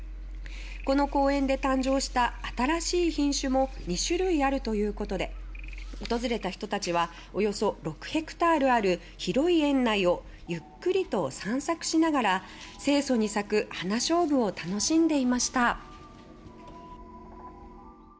この公園で誕生した新しい品種も２種類あるということで訪れた人たちはおよそ６ヘクタールある広い園内をゆっくりと散策しながら清そに咲くハナショウブを楽しんでいました。